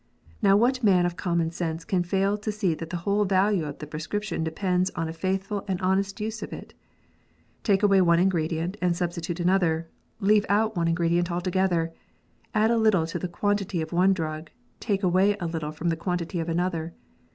K"ow what man of common sense can fail to see that the whole value of the prescription depends on a faithful and honest use of it ? Take away one ingredient, and substitute another ; leave out one ingredient altogether ; add a little to the quantity of one drug ; take away a little from the quantity of another.